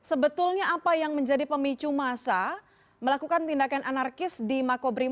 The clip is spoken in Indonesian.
oke pak beni kalau kita flashback atas insiden kemarin